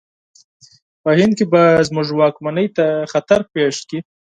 په هند کې به زموږ واکمنۍ ته خطر پېښ کړي.